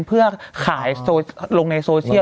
เพื่อขายลงในโซเชียล